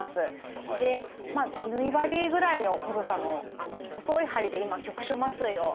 でまあ縫い針ぐらいの細さの細い針で今局所麻酔を。